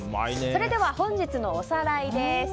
それでは本日のおさらいです。